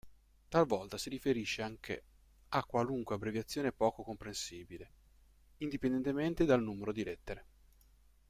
Talvolta si riferisce anche a qualunque abbreviazione poco comprensibile, indipendentemente dal numero di lettere.